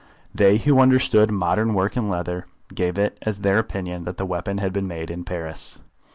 They who understood modern work in leather gave it as their opinion that the weapon had been made in Paris.